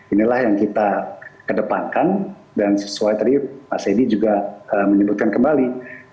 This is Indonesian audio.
inilah yang kita kedepankan dan sesuai tadi pak sedi juga menyebutkan kembali